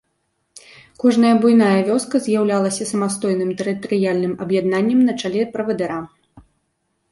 Кожная буйная вёска з'яўлялася самастойным тэрытарыяльным аб'яднаннем на чале правадыра.